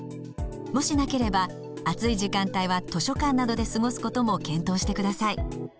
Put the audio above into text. もしなければ暑い時間帯は図書館などで過ごすことも検討してください。